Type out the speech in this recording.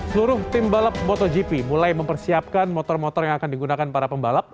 seluruh tim balap motogp mulai mempersiapkan motor motor yang akan digunakan para pembalap